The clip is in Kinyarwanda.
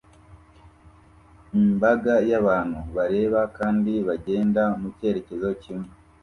imbaga y'abantu bareba kandi bagenda mu cyerekezo kimwe